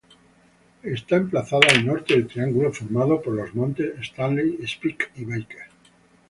Está emplazada al norte del triángulo formado por los montes Stanley, Speke y Baker.